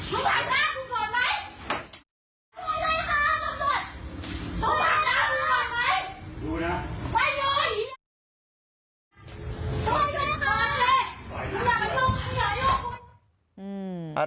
อืม